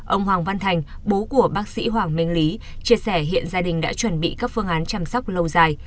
ông hoàng văn thành bố của bác sĩ hoàng minh lý chia sẻ hiện gia đình đã chuẩn bị các phương án chăm sóc lâu dài